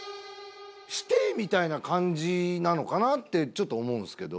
師弟みたいな感じなのかなってちょっと思うんすけど。